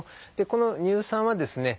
この乳酸はですね